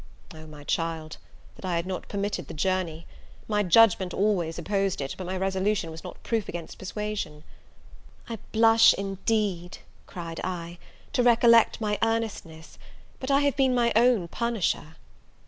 "Oh, my child! that I had not permitted the journey! My judgment always opposed it, but my resolution was not proof against persuasion." "I blush, indeed," cried I, "to recollect my earnestness; but I have been my own punisher!"